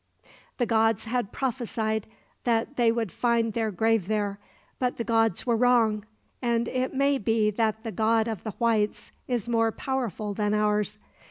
"The gods had prophesied that they would find their grave there. But the gods were wrong; and it may be that the God of the whites is more powerful than ours.